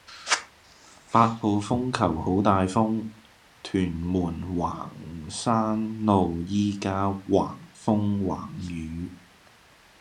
八號風球好大風，屯門環山路依家橫風橫雨